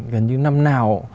gần như năm nào